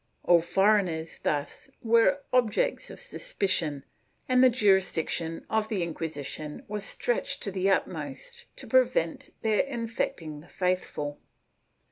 ^ All foreigners thus were objects of suspicion, and the jurisdic tion of the Inquisition was stretched to the utmost to prevent their infecting the faithful.